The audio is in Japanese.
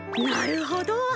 なるほど。